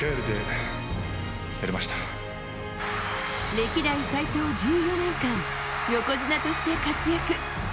歴代最長１４年間横綱として活躍。